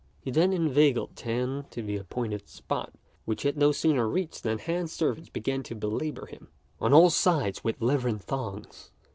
He then inveigled Tan to the appointed spot, which he had no sooner reached than Han's servants began to belabour him on all sides with leathern thongs.